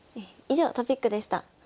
以上トピックでした。